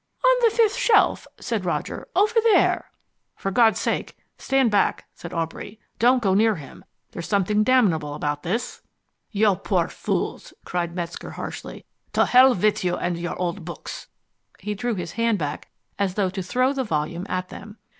"On the fifth shelf," said Roger. "Over there " "For God's sake stand back," said Aubrey. "Don't go near him. There's something damnable about this." "You poor fools!" cried Metzger harshly. "To hell with you and your old books." He drew his hand back as though to throw the volume at them.